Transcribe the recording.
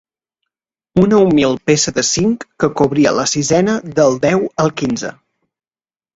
Una humil peça de cinc que cobria la sisena del deu al quinze.